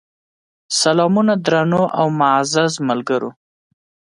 سلامونه درنو او معزز ملګرو!